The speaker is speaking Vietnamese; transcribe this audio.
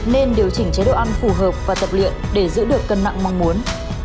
nên điều chỉnh chế độ ăn phù hợp và tập luyện để giữ được cân nặng mong muốn